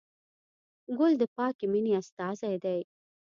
ګل د پاکې مینې استازی دی.